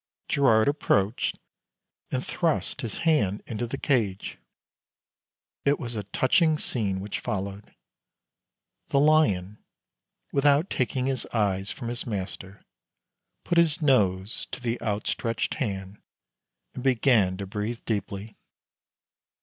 Girard approached and thrust his hand into the cage. It was a touching scene which followed. The lion, without taking his eyes from his master, put his nose to the outstretched hand and began to breathe deeply.